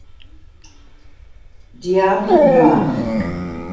Diables Noirs